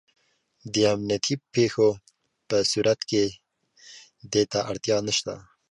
د امنیتي پېښو په صورت کې دې ته اړتیا نشته.